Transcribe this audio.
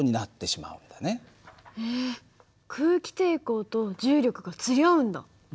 へえ空気抵抗と重力が釣り合うんだ。